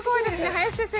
林先生